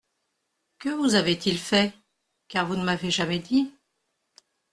Que vous avait-il fait ? car vous ne m’avez jamais dit…